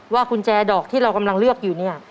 กุญแจดอกที่เรากำลังเลือกอยู่เนี่ย